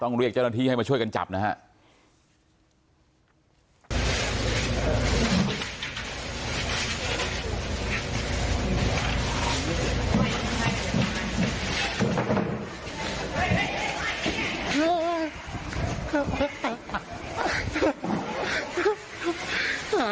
เรียกเจ้าหน้าที่ให้มาช่วยกันจับนะฮะ